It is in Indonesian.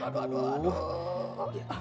aduh aduh aduh